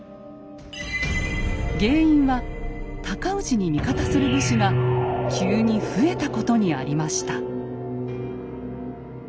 原因は尊氏に味方する武士が急に増えたことにありました。